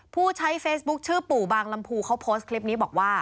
ผู้ใช้เฟซบุ๊คชื่อปู่บางลำพูเขาโพสต์คลิปนี้บอกว่า